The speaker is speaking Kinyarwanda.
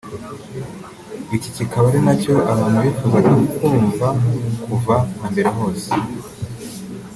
Iki kikaba ari nacyo abantu bifuzaga kwumva kuva na mbere hose